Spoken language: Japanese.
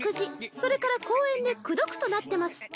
それから公園でくどくとなってますっちゃ。